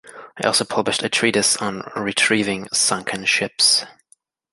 He also published a treatise on retrieving sunken ships.